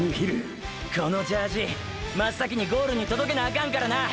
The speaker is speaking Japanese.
このジャージ真っ先にゴールに届けなあかんからな！！